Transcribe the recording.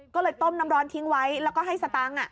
ก็เลยต้มน้ำร้อนทิ้งไว้แล้วก็ให้สตางค์